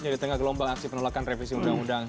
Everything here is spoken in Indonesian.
di tengah gelombang aksi penolakan revisi undang undang